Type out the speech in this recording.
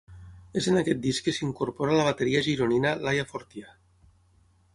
És en aquest disc que s'incorpora la bateria gironina Laia Fortià.